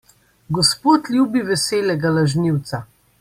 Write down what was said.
Gospod ljubi veselega lažnivca.